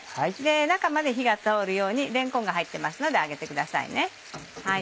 中まで火が通るようにれんこんが入ってますので揚げてください。